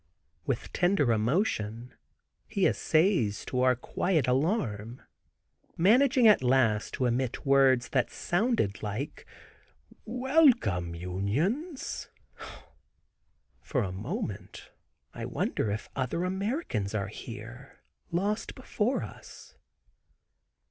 With tender emotion he essays to quiet our alarm, managing at last to emit words that sounded like "Welcome, Unions!" For a moment I wonder if other Americans are here lost before us.